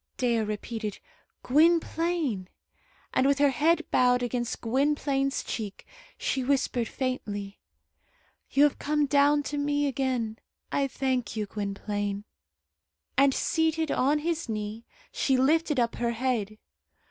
Dea repeated "Gwynplaine;" and with her head bowed against Gwynplaine's cheek, she whispered faintly, "You have come down to me again. I thank you, Gwynplaine." And seated on his knee, she lifted up her head.